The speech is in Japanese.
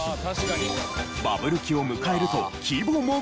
バブル期を迎えると規模も拡大。